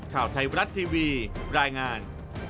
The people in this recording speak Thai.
ข่าวไทยรัฐทีวีรายงาน